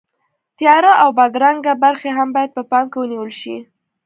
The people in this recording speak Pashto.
تیاره او بدرنګه برخې هم باید په پام کې ونیول شي.